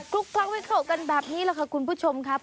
ลุกเคล้าให้เข้ากันแบบนี้แหละค่ะคุณผู้ชมครับ